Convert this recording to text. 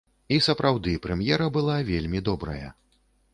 І сапраўды прэм'ера была вельмі добрая.